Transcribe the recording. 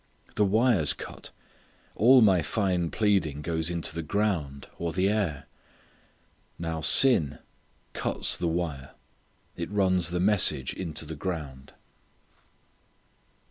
The wire's cut. All my fine pleading goes into the ground, or the air. Now sin cuts the wire; it runs the message into the ground.